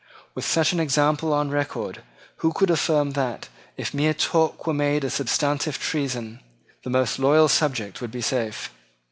With such an example on record, who could affirm that, if mere talk were made a substantive treason, the most loyal subject would be safe?